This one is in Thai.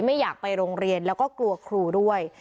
ไม่อยากไปโรงเรียนแล้วก็กลัวครูด้วย